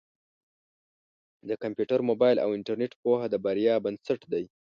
د کمپیوټر، مبایل او انټرنېټ پوهه د بریا بنسټ دی.